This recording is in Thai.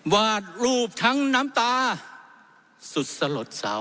วาดรูปทั้งน้ำตา